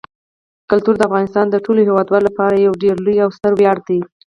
کلتور د افغانستان د ټولو هیوادوالو لپاره یو ډېر لوی او ستر ویاړ دی.